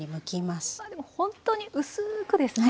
でもほんとに薄くですね。